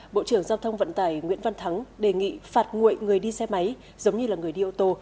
bộ trưởng giao thông vận tải nguyễn văn thắng đề nghị phạt nguội người đi xe máy giống như là người đi ô tô